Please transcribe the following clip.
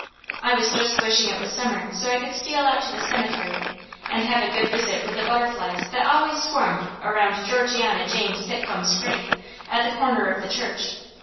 I was just wishing it was summer so I could steal out to the cemetery, and have a good visit with the butterflies that always swarmed around Georgiana Jane Titcomb's grave at the corner of the church.